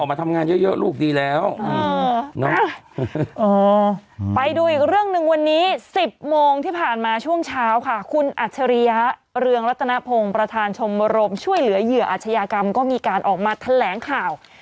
ไม่ต้องต้องออกมาทำงานเยอะลูกดีแล้ว